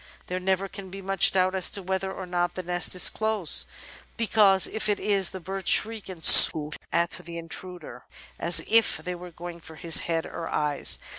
There never can be much doubt as to whether or not the nest is close, because, if it is, the birds shriek and swoop at the intruder, as if they were going for his head or eyes.